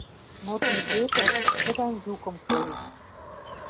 Но ти жепӹн шӹдӓн юкым колеш: